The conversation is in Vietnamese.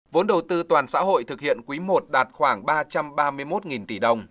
vốn đầu tư toàn xã hội thực hiện quý i đạt khoảng ba trăm ba mươi một tỷ đồng